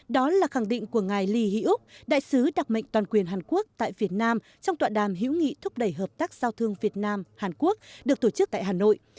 đó là khẳng định của ngài ly hữu đại sứ đặc mệnh toàn quyền hàn quốc tại việt nam trong tọa đàm hữu nghị thúc đẩy hợp tác giao thương việt nam hàn quốc được tổ chức tại hà nội